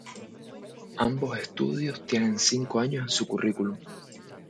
Ambos estudios tienen cinco años en su currículum.